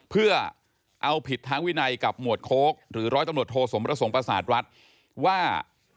เพื่อเอาผิดทางวินัยกับหมวดโค้กหรือร้อยตำรวจโทสมประสงค์ประสาทวัดว่า